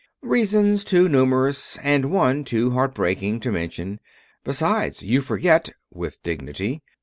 "Reasons too numerous, and one too heart breaking, to mention. Besides, you forget," with dignity.